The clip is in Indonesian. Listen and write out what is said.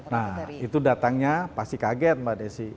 nah itu datangnya pasti kaget mbak desi